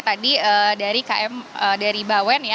tadi dari km dari bawen ya